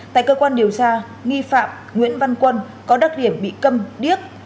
tại cơ quan điều tra nghi phạm nguyễn văn quân có đặc điểm bị cầm điếc